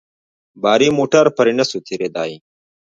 باري موټر پرې نه سو تېرېداى.